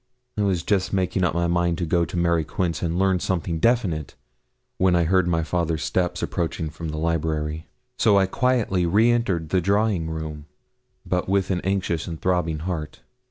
I was just making up my mind to go to Mary Quince, and learn something definite, when I heard my father's step approaching from the library: so I quietly re entered the drawing room, but with an anxious and throbbing heart.